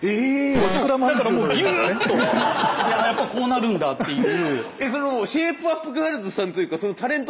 やっぱこうなるんだっていう。